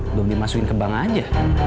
belum dimasukin ke bank aja